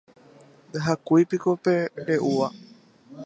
ndahakúipiko pe re'úva